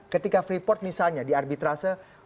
ketika freeport misalnya diarbitrase